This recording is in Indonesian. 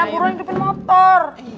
buruan depan motor